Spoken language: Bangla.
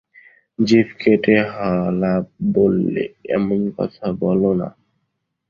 জিভ কেটে হলা বললে, এমন কথা বোলো না।